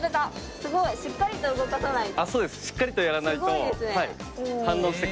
すごいしっかりと動かさないと。